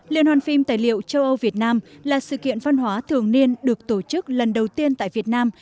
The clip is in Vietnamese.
liên hoàn phim tài liệu châu âu việt nam là sự kiện văn hóa thường niên được tổ chức lần đầu tiên tại việt nam